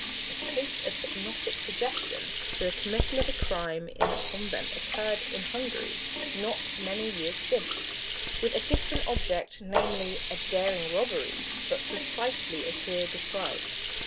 A case of hypnotic suggestion to the committal of a crime in a convent occurred in Hungary not many years since, with a different object, namely, a daring robbery, but precisely as here described.